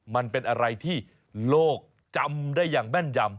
มันเป็นอะไรที่โลกจำได้อย่างแม่นยำ